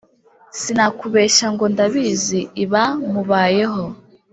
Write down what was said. Sinakubeshya ngo ndabizi ibamubayeho